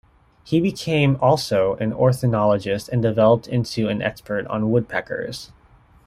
He became also an ornithologist and developed into an expert on woodpeckers.